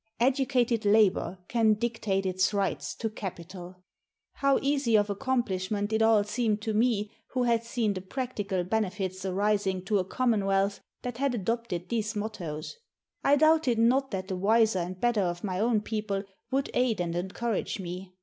Educated Labor can dictate its rights to Capital." How easy of accomplishment it all seemed to me, who had seen the practical benefits arising to a commonwealth that had adopted these mottoes. I doubted not that the wiser and better of my own people would aid and encourage me.